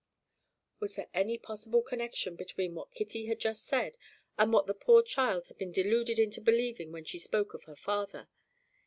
Was there any possible connection between what Kitty had just said, and what the poor child had been deluded into believing when she spoke of her father?